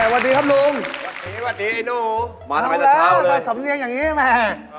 วันนี้ครับรุงมาทำไมตั้งเช้าเลยแล้วล่ะกระส่มเงียงอย่างนี้แม่